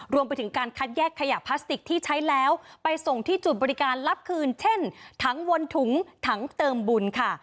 รวมไปถึงการคัดแยกขยะพลาสติกที่ใช้แล้วไปส่งที่จุดบริการรับคืนเช่นถังวนถุงถังเติมบุญค่ะ